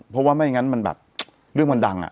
เพราะว่าไม่งั้นมันแบบเรื่องมันดัง